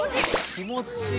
気持ちいい。